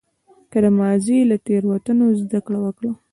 که د ماضي له تېروتنو زده کړه وکړه.